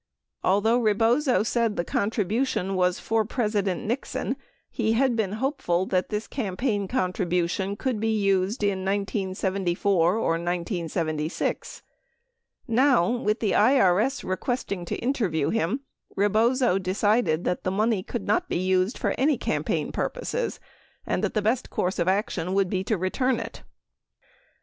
Although Rebozo said the con tribution was for President Nixon he had been hopeful that this cam paign contribution could be used in 1974 or 1976. Now, with the IRS requesting to interview him, Rebozo decided that the money could not be used for any campaign purposes and that the best course of action would be to return it.